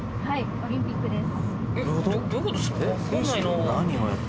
オリンピックです。